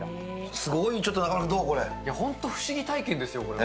すごい、中丸君、ちょっとこ本当、不思議体験ですよ、これは。